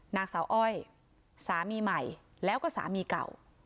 นางสาวอ้อยสามีใหม่แล้วก็สามีเก่า